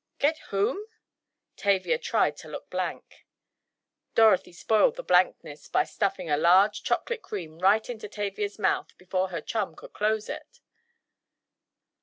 "Get whom?" Tavia tried to look blank. Dorothy spoiled the blankness by stuffing a large chocolate cream right into Tavia's mouth before her chum could close it.